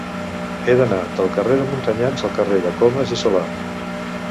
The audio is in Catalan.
He d'anar del carrer de Montanyans al carrer de Comas i Solà.